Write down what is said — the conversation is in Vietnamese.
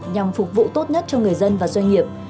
nhằm phục vụ tốt nhất cho người dân và doanh nghiệp